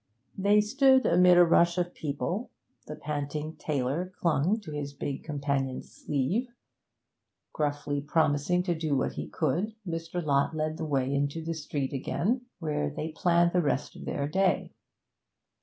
They stood amid a rush of people; the panting tailor clung to his big companion's sleeve. Gruffly promising to do what he could, Mr. Lott led the way into the street again, where they planned the rest of their day.